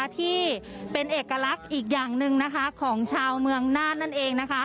ที่เป็นเอกลักษณ์อีกอย่างหนึ่งของชาวเมืองน่านนั่นเอง